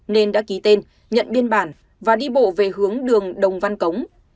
nên đã ký tên nhận biên bản và đi bộ về hướng đường đồng văn cống